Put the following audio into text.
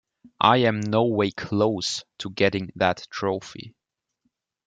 I am no way close to getting that trophy.